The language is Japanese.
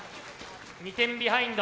２点ビハインド。